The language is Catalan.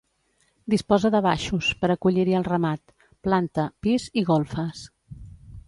Disposa de baixos, per acollir-hi el ramat; planta, pis i golfes.